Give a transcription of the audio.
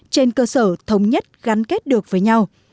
trên cơ sở thống nhất gắn kết được với nhau